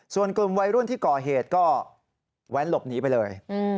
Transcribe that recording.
ส่วนกลุ่มวัยรุ่นที่ก่อเหตุก็แว้นหลบหนีไปเลย